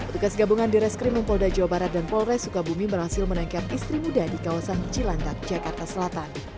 tugas gabungan di reskrimum polda jawa barat dan polres sukabumi berhasil menangkap istri muda di kawasan cilandak jakarta selatan